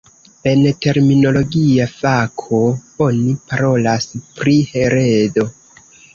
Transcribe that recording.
En terminologia fako, oni parolas pri heredo.